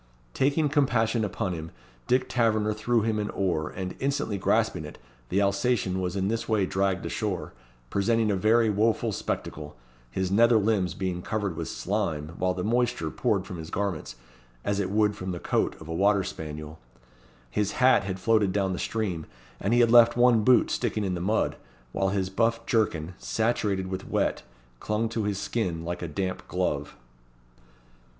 Taking compassion upon him, Dick Taverner threw him an oar, and, instantly grasping it, the Alsatian was in this way dragged ashore; presenting a very woful spectacle, his nether limbs being covered with slime, while the moisture poured from his garments, as it would from the coat of a water spaniel. His hat had floated down the stream, and he had left one boot sticking in the mud, while his buff jerkin, saturated with wet, clung to his skin like a damp glove.